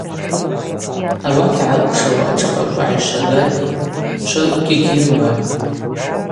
Ауат йгӏарыкӏвшауа ашӏыпӏаква Гӏайшвагатӏ, швыркӏгьи гьйымбатӏ.